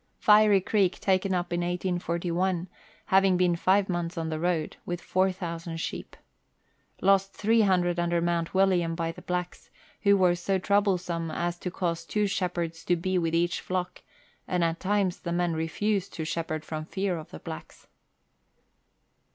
Fievy Creek taken up in 1841, having been five months on the road, with 4,000 sheep ; lost 300 under Mount William by the blacks, who were so troublesome as to cause two shepherds to be with each flock, and at times the men refused to shepherd from fear of the blacks.